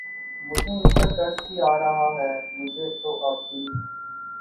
مجھے ان پر ترس بھی آ رہا ہے، مجھے تو اب ان